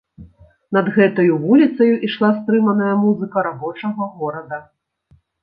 Над гэтаю вуліцаю ішла стрыманая музыка рабочага горада.